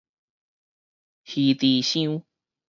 魚池箱